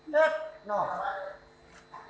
มันต้องโหลหัวเดี๋ยวลำโซ่ด้วยนะ